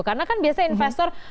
karena kan biasanya investor